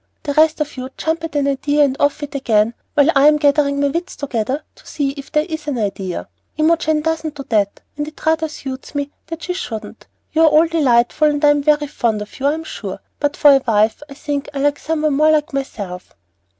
The rest of you jump at an idea and off it again while I'm gathering my wits together to see that there is an idea. Imogen doesn't do that, and it rather suits me that she shouldn't. You're all delightful, and I'm very fond of you, I'm sure; but for a wife I think I like some one more like myself."